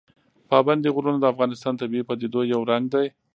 پابندي غرونه د افغانستان د طبیعي پدیدو یو رنګ دی.